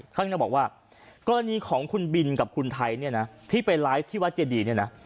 ข้างในบอกว่ากรณีของคุณบินกับคุณไทยเนี่ยนะที่ไปไลฟ์ที่วัดเจดีเนี่ยนะ